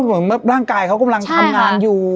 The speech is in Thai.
เหมือนร่างกายเขากำลังทำงานอยู่